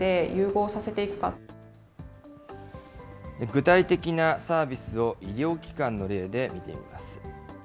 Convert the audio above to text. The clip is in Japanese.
具体的なサービスを医療機関の例で見てみます。